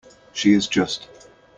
She is just.